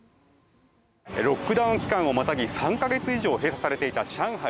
ロックダウン期間をまたぎ３か月以上閉鎖されていた上海